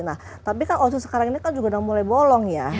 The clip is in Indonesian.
nah tapi kan ozon sekarang ini kan juga udah mulai bolong ya